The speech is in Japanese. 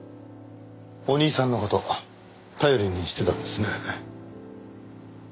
お兄さんの事頼りにしてたんですね。